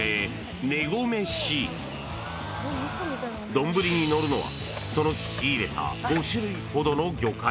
［丼にのるのはその日仕入れた５種類ほどの魚介］